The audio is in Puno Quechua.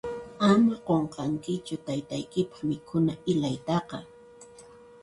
Ama qunqankichu taytaykipaq mikhuna ilaytaqa.